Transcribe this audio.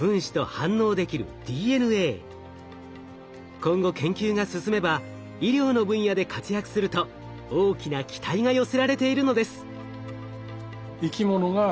今後研究が進めば医療の分野で活躍すると大きな期待が寄せられているのです。